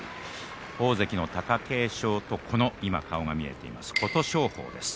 大関の貴景勝と今、顔が見えた琴勝峰です。